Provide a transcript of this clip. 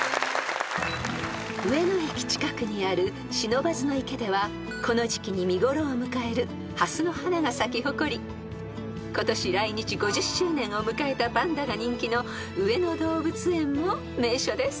［上野駅近くにある不忍池ではこの時季に見頃を迎える蓮の花が咲き誇り今年来日５０周年を迎えたパンダが人気の上野動物園も名所です］